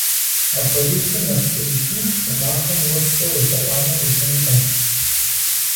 Апхуэдизкӏэ нэпсейщи, щӏымахуэм уэскӏэ уелъэӏуами къыуитынкъым.